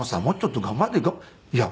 もうちょっと頑張っていこう」。